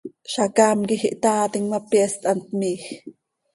Zacaam quij ihtaatim ma, pyeest hant miij.